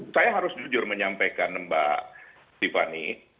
saya harus jujur menyampaikan mbak tiffany